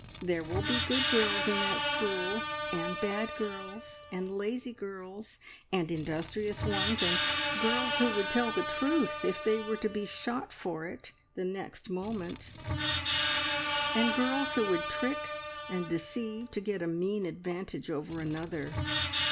Now, there will be good girls in that school, and bad girls, and lazy girls, and industrious ones, and girls who would tell the truth if they were to be shot for it the next moment; and girls who would trick and deceive to get a mean advantage over another.